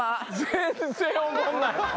全然おもんない。